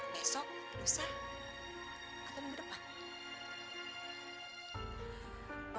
besok lusa atau minggu depan